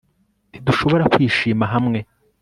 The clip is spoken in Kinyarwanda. Ntidushobora kwishima hamwe